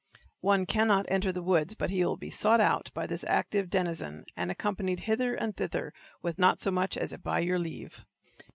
One cannot enter the woods but he will be sought out by this active denizen and accompanied hither and thither with not so much as a "by your leave."